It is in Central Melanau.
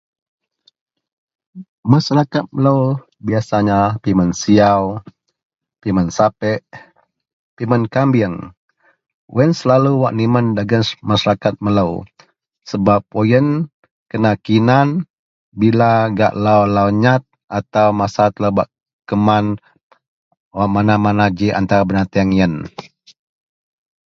Masarakat melo biyasanya pimen siaw pimen sapek pimen kabing wak iyen selalu niman dagen masarakat melo sebab wak iyen kena kinan bila gak lau-lau nyat atau masa telo bak keman mana-mana ji antara benateang iyen.